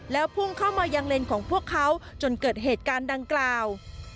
แล้วพุ่งเข้ามายังเลนของพวกเขาจนเกิดเหตุการณ์ดังกล่าว